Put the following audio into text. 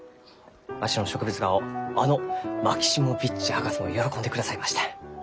わしの植物画をあのマキシモヴィッチ博士も喜んでくださいました。